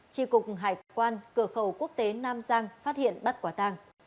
tri cục hải quan cửa khẩu quốc tế nam giang phát hiện bắt quả tàng